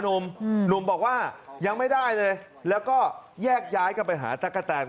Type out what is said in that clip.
หนุ่มหนุ่มบอกว่ายังไม่ได้เลยแล้วก็แยกย้ายกันไปหาตะกะแตน